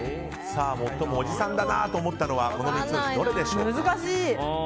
最もおじさんだなと思ったのはこの３つのうちどれでしょうか。